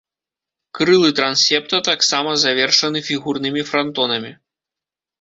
Крылы трансепта таксама завершаны фігурнымі франтонамі.